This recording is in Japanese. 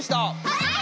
はい！